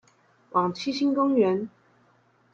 往七星公園